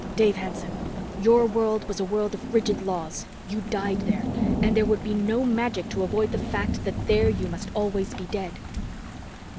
"Dave Hanson, your world was a world of rigid laws. You died there. And there would be no magic to avoid the fact that there you must always be dead."